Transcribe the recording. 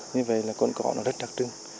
như vậy là cồn cỏ rất đặc trưng